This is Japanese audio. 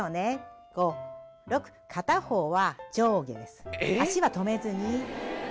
片方は上下です足は止めずに手が。